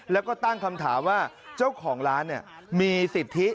แล้วก็ตั้งคำถามว่าเจ้าของร้านมีสิทธิ